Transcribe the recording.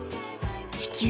地球